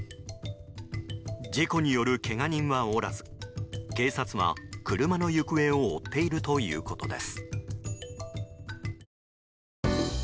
事故によるけが人はおらず警察は車の行方を追っているということです。